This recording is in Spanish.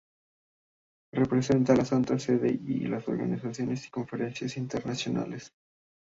Representa la Santa Sede en las organizaciones y conferencias internacionales.